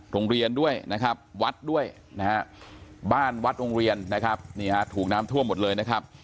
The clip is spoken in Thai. โรงเรียนด้วยวัดด้วยบ้านวัดโรงเรียนถูกน้ำทั่วหมดเลย